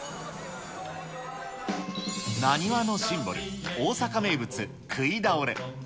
なにわのシンボル、大阪名物くいだおれ。